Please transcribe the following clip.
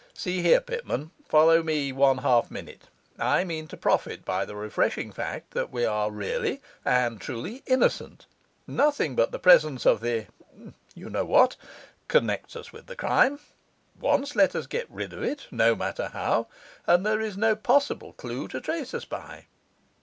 See here, Pitman: follow me one half minute. I mean to profit by the refreshing fact that we are really and truly innocent; nothing but the presence of the you know what connects us with the crime; once let us get rid of it, no matter how, and there is no possible clue to trace us by.